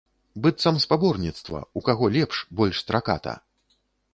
Быццам спаборніцтва, у каго лепш, больш страката.